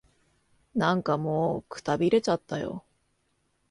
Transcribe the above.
なんかもう、くたびれちゃったよ。